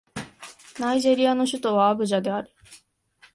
ナイジェリアの首都はアブジャである